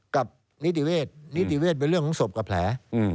นิติเวทนิติเวศเป็นเรื่องของศพกับแผล